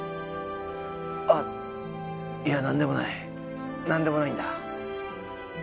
あっいや何でもない何でもないんだ